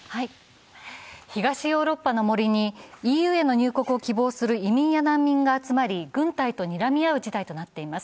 東ヨーロッパの森にＥＵへの入国を希望する移民や難民が集まり、軍隊とにらみ合う事態となっています。